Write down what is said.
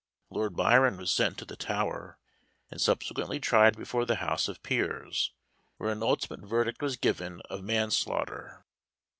Lord Byron was sent to the Tower, and subsequently tried before the House of Peers, where an ultimate verdict was given of manslaughter.